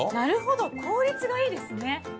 なるほど効率がいいですね。